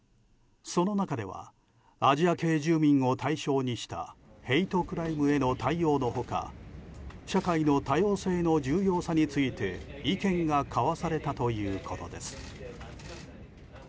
その中ではアジア系住民を対象にしたヘイトクライムへの対応の他社会の多様性の重要さについて意見が交わされたということです。